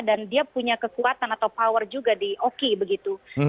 dan dia punya kekuatan atau power juga di oki begitu